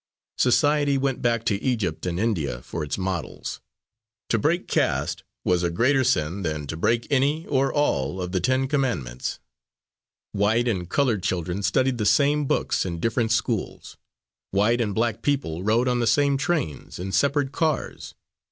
Society went back to Egypt and India for its models; to break caste was a greater sin than to break any or all of the ten commandments. White and coloured children studied the same books in different schools. White and black people rode on the same trains in separate cars.